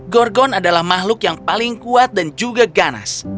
gorgon adalah makhluk yang paling kuat dan juga ganas